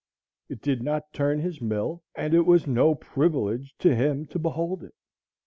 It did not turn his mill, and it was no privilege to him to behold it.